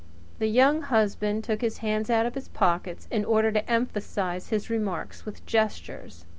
The Young Husband took his hands out of his pockets in order to emphasize his remarks with gestures.